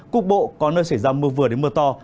cục bộ có nơi xảy ra mưa vừa đến mưa to